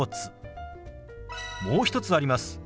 もう一つあります。